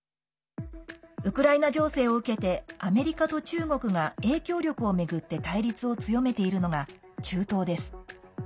ウクライナ情勢を受けてアメリカと中国が影響力を巡って対立を強めているのが中東です。